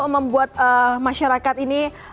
membuat masyarakat ini